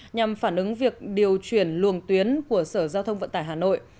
nhằm phản ứng việc điều chuyển luồng tuyến của sở giao thông vận tải hà nội